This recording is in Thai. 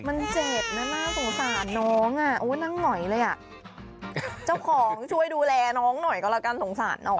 มันเจ็บนะน่าสงสารน้องอ่ะโอ้นั่งหงอยเลยอ่ะเจ้าของช่วยดูแลน้องหน่อยก็แล้วกันสงสารน้อง